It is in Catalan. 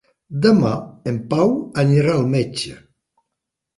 Demà en Pau anirà al metge.